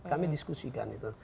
kami diskusikan itu